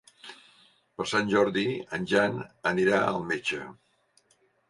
Per Sant Jordi en Jan anirà al metge.